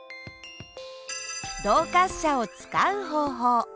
動滑車を使う方法。